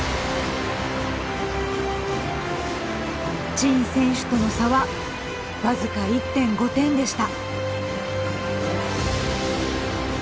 陳選手との差は僅か１．５点でした。